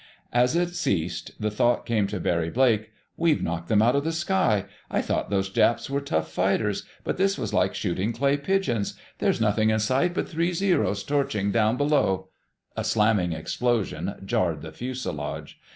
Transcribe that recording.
As it ceased, the thought came to Barry Blake: "We've knocked them out of the sky! I thought those Japs were tough fighters, but this was like shooting clay pigeons. There's nothing in sight but three Zeros torching down below—" A slamming explosion jarred the fuselage.